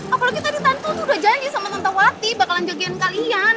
apalagi tadi tante udah janji sama tante wati bakalan jagian kalian